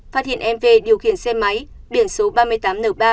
phát hiện mv điều khiển xe máy biển số ba mươi tám n ba sáu nghìn tám trăm hai mươi sáu